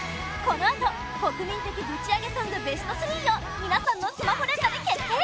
このあと国民的ぶちアゲソングベスト３を皆さんのスマホ連打で決定！